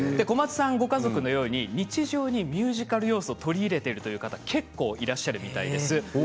小松さんご家族のように日常にミュージカル要素を取り入れてる方は結構いらっしゃるみたいです。